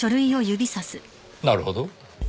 なるほど。